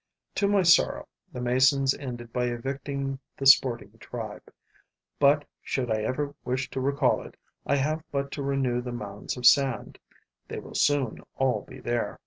To my sorrow, the masons ended by evicting the sporting tribe; but, should I ever wish to recall it, I have but to renew the mounds of sand: they will soon all be there.